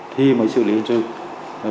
thì mới xử lý hình ảnh